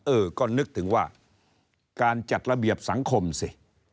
เออก็นึกถึงว่าการจัดระเบียบสังคมสิ